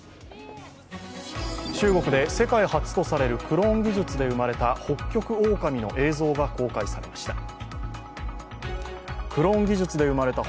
中国で世界初とされるクローン技術で生まれたホッキョクオオカミの映像が公開されました。